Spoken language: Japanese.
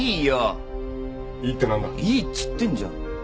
いいっつってんじゃん。